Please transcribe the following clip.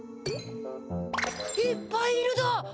いっぱいいるだ。